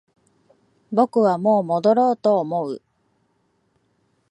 僕はもう戻ろうと思う